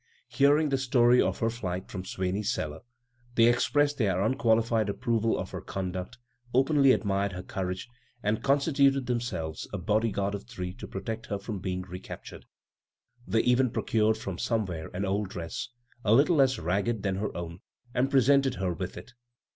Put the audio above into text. Hearing the story of her flight from Swane/s cellar, they expressed their unqualified approval of her conduct, openly admired her courage, and constituted them 109 byGoogle CROSS CURRENTS selves a body guard of three to protect her from being recaptured. They even procured from somewhere an old dress, a litde less ragged than her own, and presented her with it.